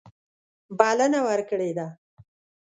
بلنه ورکړې ده.